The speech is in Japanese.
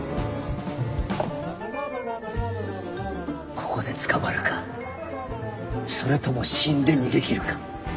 ここで捕まるかそれとも死んで逃げきるか。